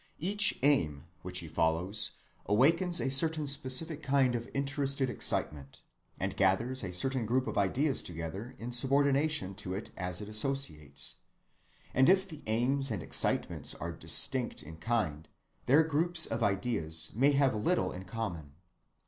Each "aim" which he follows awakens a certain specific kind of interested excitement, and gathers a certain group of ideas together in subordination to it as its associates; and if the aims and excitements are distinct in kind, their groups of ideas may have little in common.